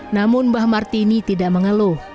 namun mbah martini tidak mengeluh